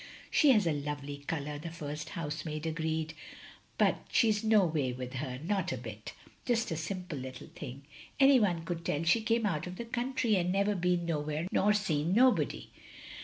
" "She has a lovely colour," the first housemaid agreed, "but she's no way with her, not a bit. Just a simple little thing! Any one could tell she came out of the country and never been no where nor seen nobody.